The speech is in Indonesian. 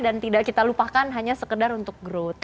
dan tidak kita lupakan hanya sekedar untuk growth